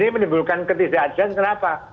ini menimbulkan ketidakadangan kenapa